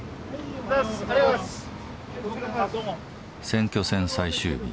選挙戦最終日。